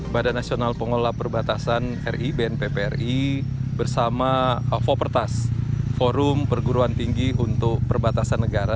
badan nasional pengelola perbatasan ri bnppri bersama fopertas forum perguruan tinggi untuk perbatasan negara